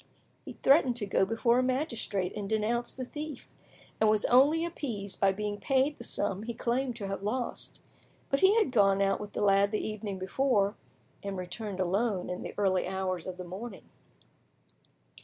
He threatened to go before a magistrate and denounce the thief, and was only appeased by being paid the sum he claimed to have lost. But he had gone out with the lad the evening before, and returned alone in the early hours of the morning.